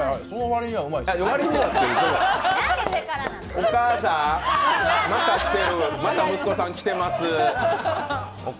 お母さん、また息子さん、来てます。